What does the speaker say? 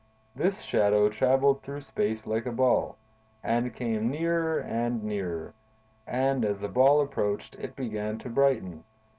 This shadow traveled through space like a ball, and came nearer and nearer, and, as the ball approached, it began to brighten.